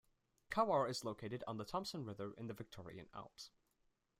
Cowwarr is located on the Thomson River in the Victorian Alps.